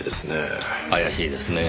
怪しいですねぇ